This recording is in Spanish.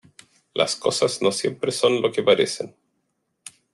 las cosas no siempre son lo que parecen.